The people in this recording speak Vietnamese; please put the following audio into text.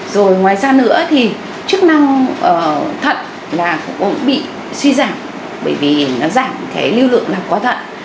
rồi ngoài ra nữa thì chức năng thận cũng bị suy giảm bởi vì nó giảm lưu lượng là có thận